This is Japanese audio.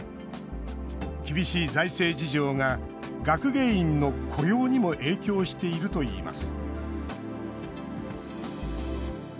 厳しい財政事情が学芸員の雇用にも影響しているといいます